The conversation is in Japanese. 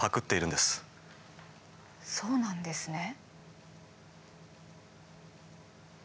そうなんですね。